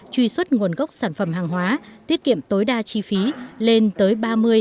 truy xuất nguồn gốc sản phẩm hàng hóa tiết kiệm tối đa chi phí lên tới ba mươi